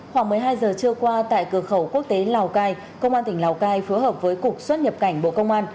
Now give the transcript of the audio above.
khoảng một mươi hai giờ trưa qua tại cửa khẩu quốc tế lào cai công an tỉnh lào cai phối hợp với cục xuất nhập cảnh bộ công an